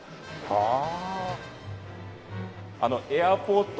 ああ！